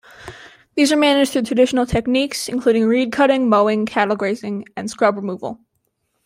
These are managed through traditional techniques, including reed-cutting, mowing, cattle grazing and scrub removal.